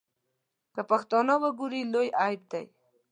که پښتانه وګوري لوی عیب دی.